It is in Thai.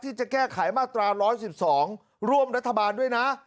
ที่จะแก้ไขมาตรา๑๑๒ร่วมรัฐบาลด้วยนะ